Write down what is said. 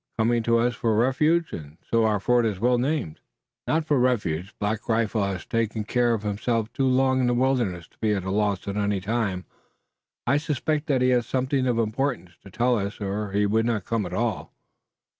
"Coming to us for refuge, and so our fort is well named." "Not for refuge. Black Rifle has taken care of himself too long in the wilderness to be at a loss at any time. I suspect that he has something of importance to tell us or he would not come at all."